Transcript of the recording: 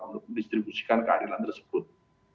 untuk mendistribusikan keadilan tersebut